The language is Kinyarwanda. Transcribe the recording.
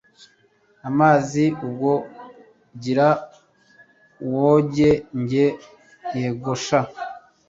amazi ubwo gira wogeNjye yego sha